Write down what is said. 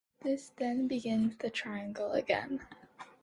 This then begins the triangle again.